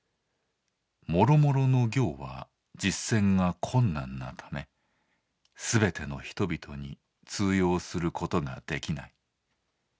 諸々の行は実践が困難なため全ての人々に通用することができない。